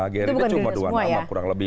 gerindra cuma dua nama kurang lebih